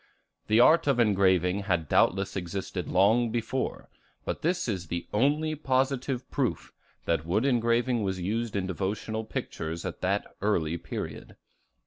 The art of engraving had doubtless existed long before, but this is the only positive proof that wood engraving was used in devotional pictures at that early period.